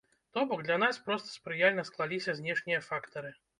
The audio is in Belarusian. То бок, для нас проста спрыяльна склаліся знешнія фактары.